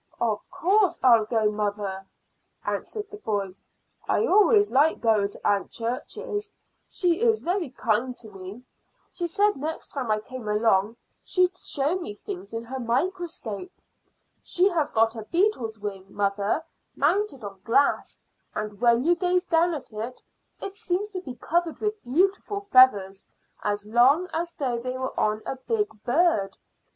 "Of course I'll go, mother," answered the boy. "I always like going to Aunt Church's; she is very kind to me. She said next time I came along she'd show me things in her microscope. She has got a beetle's wing, mother, mounted on glass, and when you gaze down at it it seems to be covered with beautiful feathers, as long as though they were on a big bird.